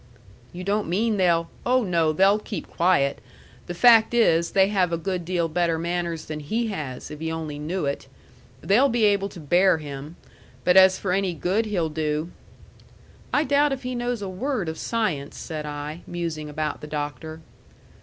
"You don't mean they'll " "Oh, no. They'll keep quiet. The fact is, they have a good deal better manners than he has, if he only knew it. They'll be able to bear him. But as for any good he'll do " "I doubt if he knows a word of science," said I, musing about the Doctor.